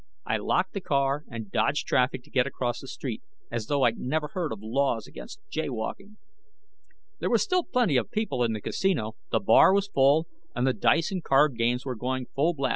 I locked the car and dodged traffic to get across the street, as though I'd never heard of laws against jaywalking. There were still plenty of people in the Casino. The bar was full, and the dice and card games were going full blast.